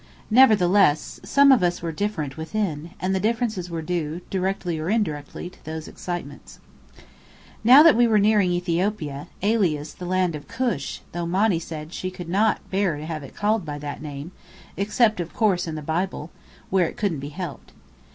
Nevertheless, some of us were different within, and the differences were due, directly or indirectly, to those excitements. Now we were nearing Ethiopia, alias the Land of Cush, though Monny said she could not bear to have it called by that name, except, of course, in the Bible, where it couldn't be helped.